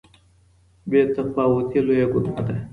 بې تفاوتي لويه ګناه ده.